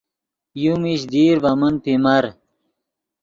یو میش دیر ڤے من پیمر